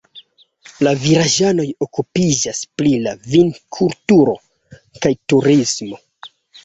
La vilaĝanoj okupiĝas pri vinkulturo kaj turismo.